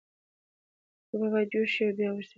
اوبه باید جوش شي او بیا وڅښل شي.